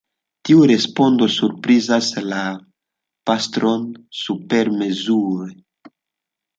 Tiu respondo surprizas la pastron supermezure.